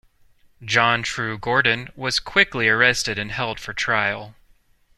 John True Gordon was quickly arrested and held for trial.